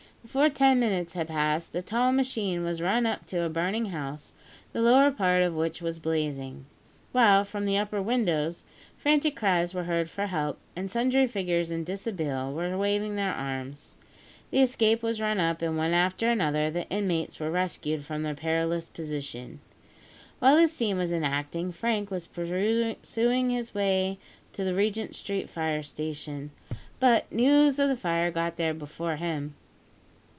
Before ten minutes had passed, the tall machine was run up to a burning house, the lower part of which was blazing; while, from the upper windows, frantic cries were heard for help, and sundry figures in dishabille were seen waving their arms. The escape was run up, and one after another the inmates were rescued from their perilous position. While this scene was enacting Frank was pursuing his way to the Regent Street Fire Station; but news of the fire got there before him.